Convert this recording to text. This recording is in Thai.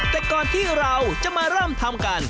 แต่ก่อนที่เราจะมาเริ่มทำกัน